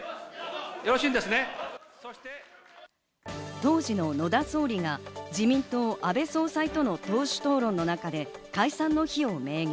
当時の野田総理が自民党・安倍総裁との党首討論の中で解散の日を明言。